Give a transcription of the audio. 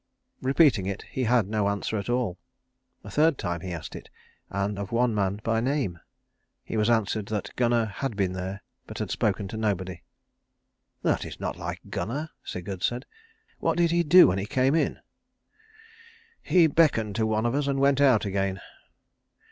Repeating it, he had no answer at all. A third time he asked it, and of one man by name. He was answered that Gunnar had been there, but had spoken to nobody. "That is not like Gunnar," Sigurd said. "What did he do when he came in?" "He beckoned to one of us, and went out again."